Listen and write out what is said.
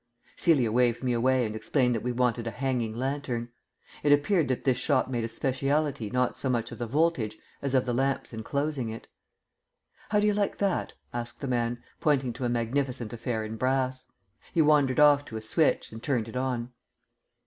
Celia waved me away and explained that we wanted a hanging lantern. It appeared that this shop made a speciality not so much of the voltage as of the lamps enclosing it. "How do you like that?" asked the man, pointing to a magnificent affair in brass. He wandered off to a switch, and turned it on.